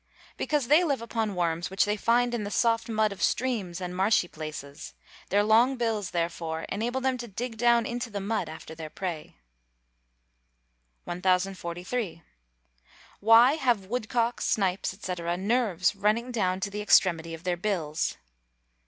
_ Because they live upon worms which they find in the soft mud of streams and marshy places; their long bills, therefore, enable them to dig down into the mud after their prey. 1043. _Why have woodcocks, snipes, &c., nerves running down to the extremities of their bills?